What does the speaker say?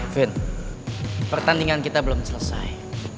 vin pertandingan kita belum selesai